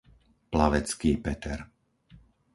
Plavecký Peter